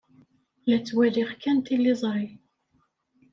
La ttwaliɣ kan tiliẓri.